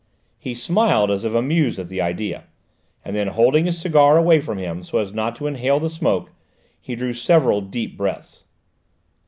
He smiled, as if amused at the idea, and then, holding his cigar away from him so as not to inhale the smoke, he drew several deep breaths.